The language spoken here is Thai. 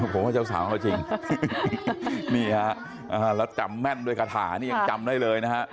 ผมว่าเจ้าสาวก็จริงนี่ฮะแล้วจำแม่นด้วยคาถานี่ยังจำได้เลยนะฮะ